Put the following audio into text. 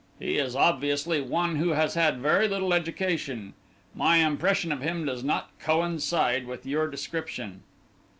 He is obviously one who has had very little education. My impression of him does not coincide with your description."